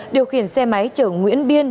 điều khiển xe máy chở nguyễn biên